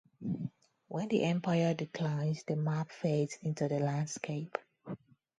When the empire declines, the map fades into the landscape.